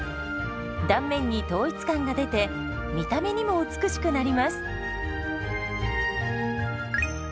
断面に統一感が出て見た目にも美しくなります。